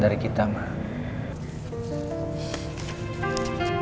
tapi mama gak mau